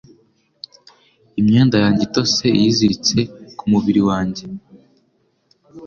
Imyenda yanjye itose yiziritse ku mubiri wanjye